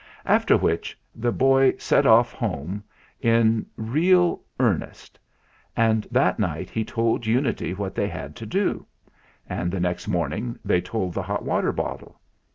After which the boy set off home in real earnest; and that night he told Unity what they had to do; and the next morning they told the hot water bottle.